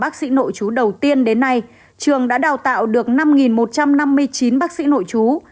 bác sĩ nội chú đầu tiên đến nay trường đã đào tạo được năm một trăm năm mươi chín bác sĩ nội chú